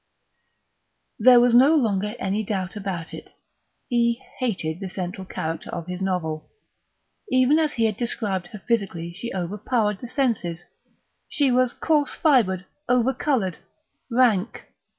There was no longer any doubt about it; he hated the central character of his novel. Even as he had described her physically she overpowered the senses; she was coarse fibred, over coloured, rank.